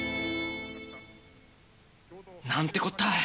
なんてこったい！